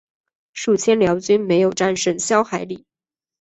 数千辽军没有战胜萧海里。